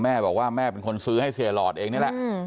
แม่บอกว่าแม่เป็นคนซื้อให้เสียหลอดเองนี่แหละ